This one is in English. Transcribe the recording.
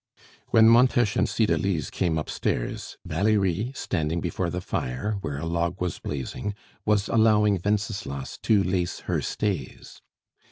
When Montes and Cydalise came upstairs, Valerie, standing before the fire, where a log was blazing, was allowing Wenceslas to lace her stays.